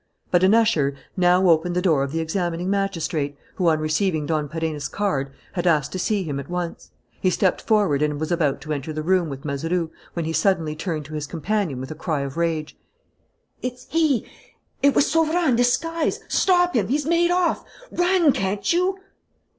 But an usher now opened the door of the examining magistrate, who, on receiving Don Perenna's card, had asked to see him at once. He stepped forward and was about to enter the room with Mazeroux, when he suddenly turned to his companion with a cry of rage: "It's he! It was Sauverand in disguise. Stop him! He's made off. Run, can't you?"